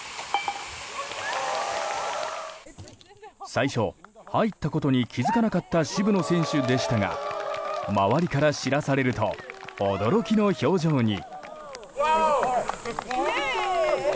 最初、入ったことに気づかなかった渋野選手でしたが周りから知らされると驚きの表情に。